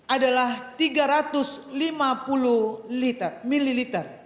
adalah tiga ratus lima puluh ml